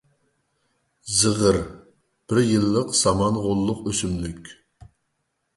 زىغىر — بىر يىللىق سامان غوللۇق ئۆسۈملۈك.